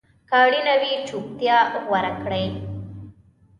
که اړینه وي، چپتیا غوره کړئ.